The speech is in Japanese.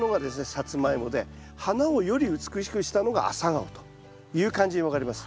サツマイモで花をより美しくしたのがアサガオという感じに分かれます。